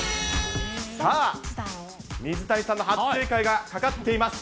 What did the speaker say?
さあ、水谷さんの初正解がかかっています。